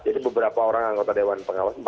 jadi beberapa orang anggota dewan pengawas